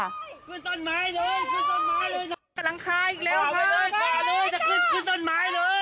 เรากำลังคาอีกแล้วค่ะ